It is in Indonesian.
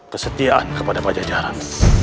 kesetiaan kepada pak jajaran